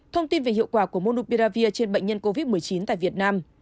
thông tin về hiệu quả của monubiravir trên bệnh nhân covid một mươi chín tại việt nam